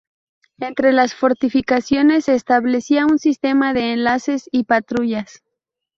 Entre las fortificaciones se establecía un sistema de enlaces y patrullas.